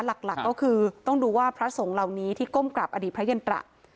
หลักก็คือต้องดูว่าพระสงฆ์เหล่านี้ที่ก้มกราบอดีตพระยันตระ